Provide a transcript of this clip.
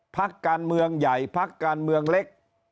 พักการเมืองใหญ่พักการเมืองเล็ก